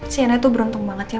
si anak tuh beruntung banget ya